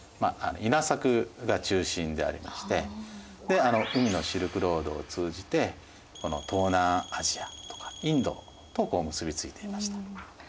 稲作が中心でありまして海のシルクロードを通じて東南アジアとかインドとこう結び付いていました。